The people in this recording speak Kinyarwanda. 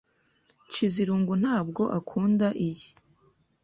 Nshizirungu ntabwo akunda iyi.